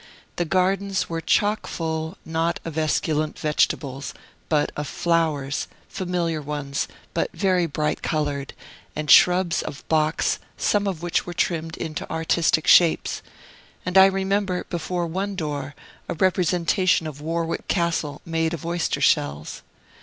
The gardens were chockfull, not of esculent vegetables, but of flowers, familiar ones, but very bright colored, and shrubs of box, some of which were trimmed into artistic shapes; and I remember, before one door, a representation of Warwick Castle, made of oyster shells.